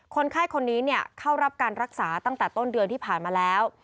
คนไข้คนนี้เข้ารับการรักษาตั้งแต่ต้นเดือนที่ผ่านมาแล้ว